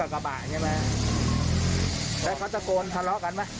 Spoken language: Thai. ขักก็หายไปแล้วก็